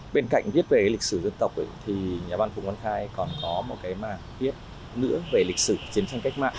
bên cạnh viết về lịch sử dân tộc thì nhà văn phùng văn khai còn có một cái màng viết nữa về lịch sử chiến tranh cách mạng